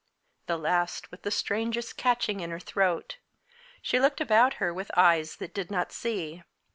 This last with the strangest catching in her throat. She looked about her with eyes that did not see.